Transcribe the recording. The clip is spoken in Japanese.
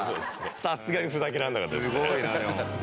さすがにふざけられなかったですね。